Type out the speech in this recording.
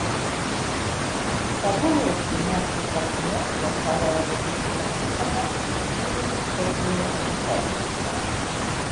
საბოლოოდ კი მათი საქმიანობა სარაევოს მკვლელობითა და პირველი მსოფლიო ომით დასრულდა.